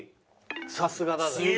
さすがだね。